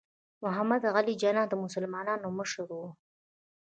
محمد علي جناح د مسلمانانو مشر و.